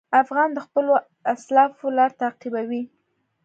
افغان د خپلو اسلافو لار تعقیبوي.